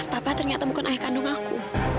papa ternyata bukan ayah kandung aku